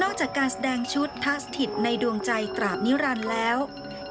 จากการแสดงชุดทะสถิตในดวงใจกราบนิรันดิ์แล้ว